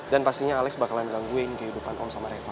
dan pastinya alex bakalan melangguin kehidupan om sama reva